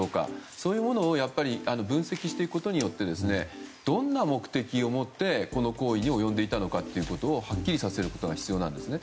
そういうものを分析していくことでどんな目的を持ってこの行為に及んでいたのかをはっきりさせることが必要なんですね。